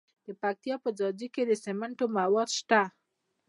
د پکتیا په ځاځي کې د سمنټو مواد شته.